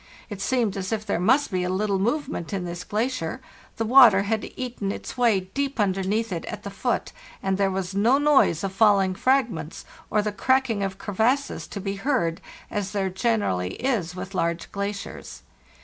It seemed as if there must be little movement in this glacier; the water had eaten its wav deep underneath it at the foot, and there was no noise of falling fragments or the cracking of crevasses to be heard, as there generally is with large glaciers.